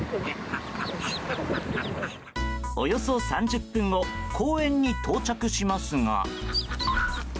およそ３０分後公園に到着しますが。